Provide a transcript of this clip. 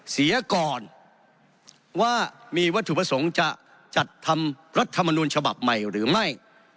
เสียก่อนว่ามีวัตถุประสงค์จะจัดทำรัฐมนูลฉบับใหม่หรือไม่